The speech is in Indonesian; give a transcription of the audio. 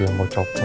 yang mau copot